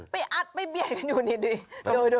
ไปอัดไปเบียด